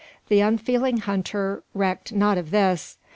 The unfeeling hunter recked not of this.